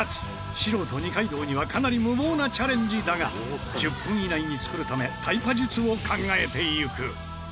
素人二階堂にはかなり無謀なチャレンジだが１０分以内に作るためタイパ術を考えていく。